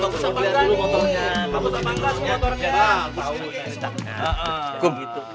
kamu tambahkan motornya